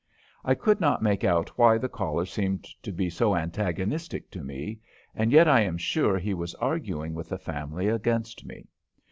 I could not make out why the caller seemed to be so antagonistic to me, and yet I am sure he was arguing with the family against me.